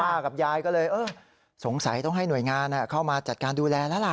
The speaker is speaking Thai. กับยายก็เลยเออสงสัยต้องให้หน่วยงานเข้ามาจัดการดูแลแล้วล่ะ